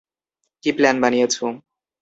কী plan বানিয়েছো?